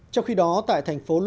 trong khi đó tại thành phố luân bình